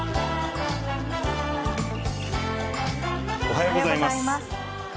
おはようございます。